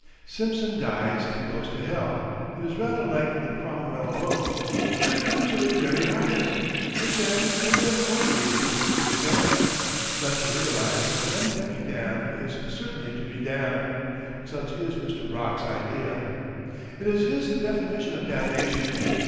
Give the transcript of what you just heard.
Simpson dies and goes to hell it is rather like the Cromwell Road and approves of it very highly, and then and then only is he completely damned. Not to realise that one can be damned is certainly to be damned; such is Mr. Brock's idea. It is his definition of damnation.